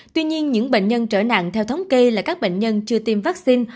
tuy nhiên những bệnh nhân trở nặng theo thống kê là các bệnh nhân chưa tiêm vaccine